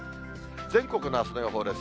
全国のあすの予報です。